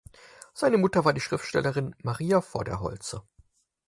Seine Mutter war die Schriftstellerin Maria Voderholzer.